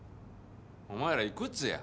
お前らいくつや？